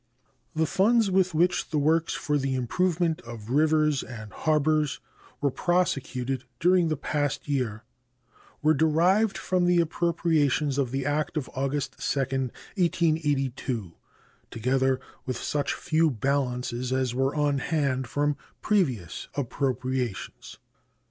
The funds with which the works for the improvement of rivers and harbors were prosecuted during the past year were derived from the appropriations of the act of August 2, 1882, together with such few balances as were on hand from previous appropriations.